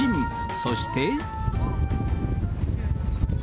そして。